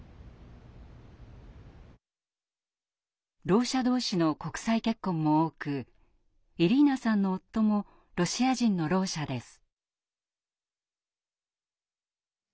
ろう者同士の国際結婚も多くイリーナさんの夫もロシア人のろう者です。